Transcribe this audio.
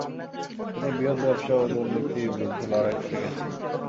তিনি বৃহৎ ব্যবসা ও দূর্নীতির বিরুদ্ধে লড়াই করে গেছেন।